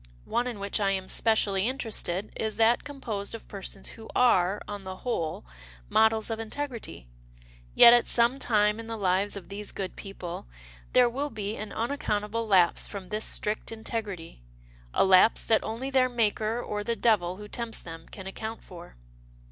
One in which I am specially interested is that composed of persons who are, on the whole, models of integ rity. Yet, at some time in the lives of these good people, there will be an unaccountable lapse from this strict integrity — a lapse that only their Maker or the devil who tempts them can account for."